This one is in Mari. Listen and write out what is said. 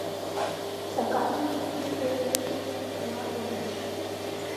Сакар нунылан шке илышыжым чыла ойлыш.